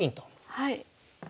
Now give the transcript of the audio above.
はい。